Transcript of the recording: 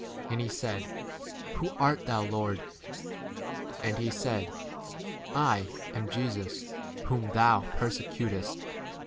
And he said, Who art thou, Lord ? And he [said], c I am Jesus, whom tlwu persecutest.